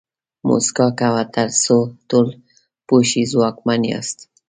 موسکا کوه تر څو ټول پوه شي ځواکمن یاست.